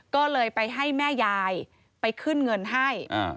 ก็เลยไปให้แม่ยายไปขึ้นเงินให้